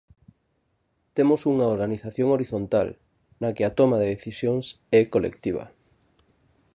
Temos unha organización horizontal, na que a toma de decisións é colectiva.